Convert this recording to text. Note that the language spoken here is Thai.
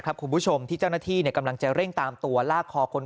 คุณผู้ชมที่เจ้าหน้าที่กำลังจะเร่งตามตัวลากคอคน